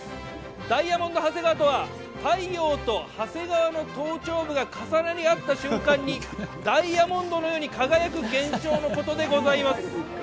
ダイヤモンド長谷川とは、太陽と長谷川の頭頂部が重なり合った瞬間に、ダイヤモンドのように輝く現象のことでございます。